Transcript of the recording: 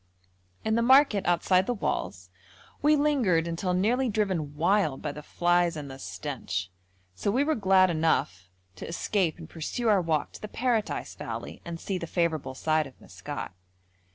In the market outside the walls we lingered until nearly driven wild by the flies and the stench, so we were glad enough to escape and pursue our walk to the Paradise valley and see the favourable side of Maskat.